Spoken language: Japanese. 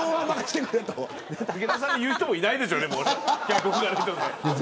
武田さんに言う人もいないでしょうね。